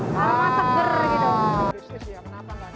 karena seger gitu